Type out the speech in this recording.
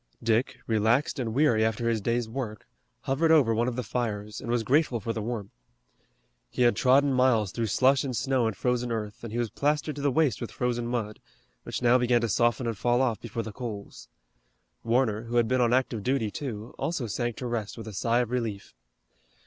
Dick, relaxed and weary after his day's work, hovered over one of the fires and was grateful for the warmth. He had trodden miles through slush and snow and frozen earth, and he was plastered to the waist with frozen mud, which now began to soften and fall off before the coals. Warner, who had been on active duty, too, also sank to rest with a sigh of relief.